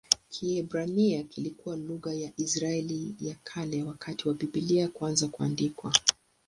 Kiebrania kilikuwa lugha ya Israeli ya Kale wakati wa Biblia kuanza kuandikwa.